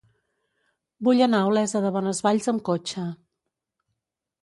Vull anar a Olesa de Bonesvalls amb cotxe.